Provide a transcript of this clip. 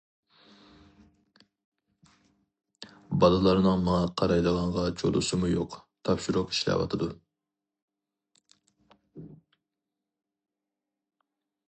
بالىلارنىڭ ماڭا قارايدىغانغا چولىسىمۇ يوق تاپشۇرۇق ئىشلەۋاتىدۇ.